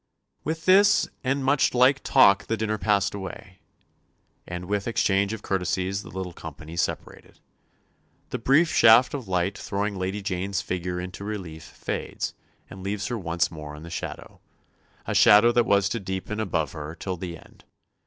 "With this and much like talk the dinner passed away," and with exchange of courtesies the little company separated. The brief shaft of light throwing Lady Jane's figure into relief fades and leaves her once more in the shadow a shadow that was to deepen above her till the end.